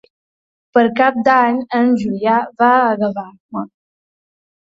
Per Cap d'Any en Julià va a Gavà.